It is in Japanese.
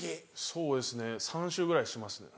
そうですね３周ぐらいします。